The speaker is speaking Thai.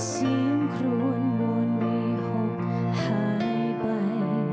เสียงครวนเวหกหายไป